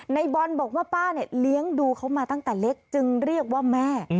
ในบอลบอกว่าป้าเนี่ยเลี้ยงดูเขามาตั้งแต่เล็กจึงเรียกว่าแม่